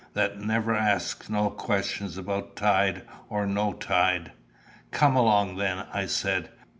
That never asks no questions about tide or no tide." "Come along, then," I said.